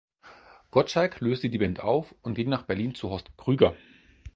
Gottschalk löste die Band auf und ging nach Berlin zu Horst Krüger.